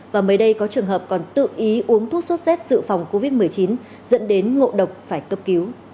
và mới đây có trường hợp còn tự ý uống thuốc sốt xét dự phòng covid một mươi chín dẫn đến ngộ độc phải cấp cứu